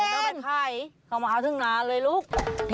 ไม่ต้องไปขายเขามาเอาดีนาเลยลุก